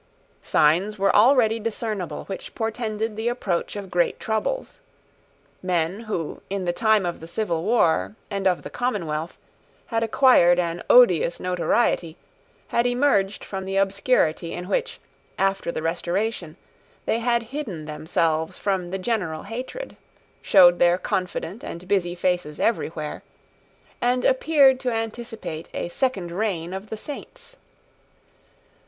Signs were already discernible which portended the approach of great troubles. Men, who, in the time of the civil war and of the Commonwealth, had acquired an odious notoriety, had emerged from the obscurity in which, after the Restoration, they had hidden themselves from the general hatred, showed their confident and busy faces everywhere, and appeared to anticipate a second reign of the Saints.